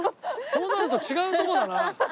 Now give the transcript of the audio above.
そうなると違うとこだな。